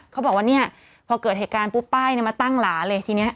เขาบอกว่าเนี่ยพอเกิดเหตุการณ์ปุ๊บป้ายมาตั้งหลาเลยทีนี้